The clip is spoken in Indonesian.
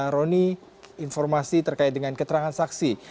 roni informasi terkait dengan keterangan saksi